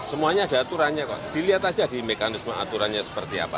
semuanya ada aturannya kok dilihat aja di mekanisme aturannya seperti apa